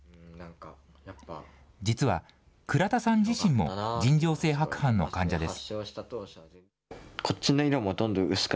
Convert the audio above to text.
実は、倉田さん自身も尋常性白斑の患者です。